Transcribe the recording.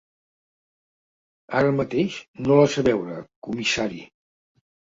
Ara mateix, no la sé veure, comissari.